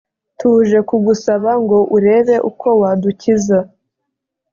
tuje kugusaba ngo urebe uko wadukiza.